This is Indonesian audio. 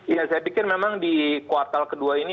ya saya pikir memang di kuartal kedua ini